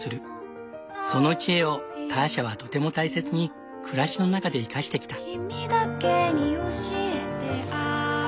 その知恵をターシャはとても大切に暮らしの中で生かしてきた。